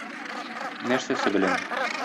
Нәрсәсе белән?